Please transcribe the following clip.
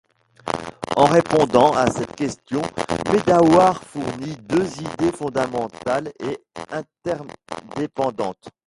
En répondant à cette question, Medawar fournit deux idées fondamentales et interdépendantes.